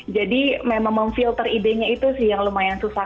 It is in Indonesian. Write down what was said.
jadi memang memfilter idenya itu sih yang lumayan susah